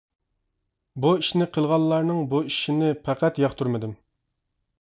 بۇ ئىشنى قىلغانلارنىڭ بۇ ئىشىنى پەقەت ياقتۇرمىدىم.